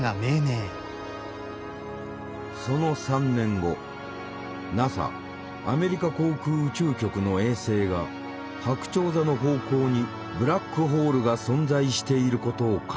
その３年後ＮＡＳＡアメリカ航空宇宙局の衛星が白鳥座の方向にブラックホールが存在していることを確認した。